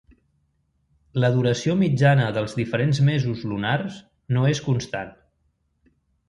La duració mitjana dels diferents mesos lunars no és constant.